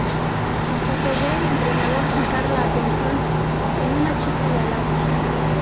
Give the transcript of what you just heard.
Hasta que ve al entrenador fijar la atención en una chica de al lado.